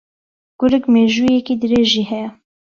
گورگ مێژوویییەکی درێژی ھەیە